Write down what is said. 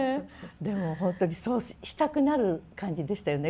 でも本当にそうしたくなる感じでしたよね